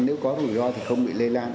nếu có rủi ro thì không bị lây lan